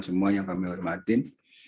semua yang kami hormatin